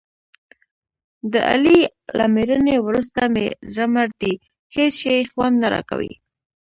د علي له مړینې ورسته مې زړه مړ دی. هېڅ شی خوند نه راکوي.